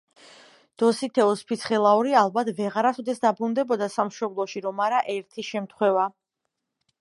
დოსითეოზ ფიცხელაური ალბათ ვეღარასოდეს დაბრუნდებოდა სამშობლოში, რომ არა ერთი შემთხვევა.